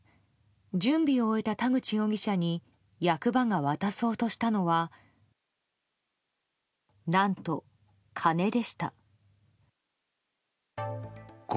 準備を終えた田口容疑者に役場が渡そうとしたのは何と、金でした。